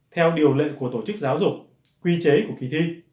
theo điều lệnh của tổ chức giáo dục quy chế của kỳ thi